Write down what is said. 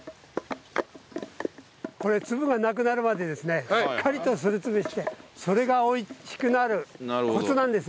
これ粒がなくなるまでですねしっかりとすり潰してそれが美味しくなるコツなんですよ。